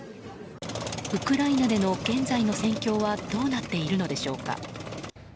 ウクライナでの現在の戦況はどうなっているのでしょうか。